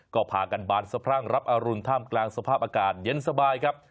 ก็พากันบานสะพรั่งรับอรุณท่ามกลางสภาพอากาศเย็นสบายครับ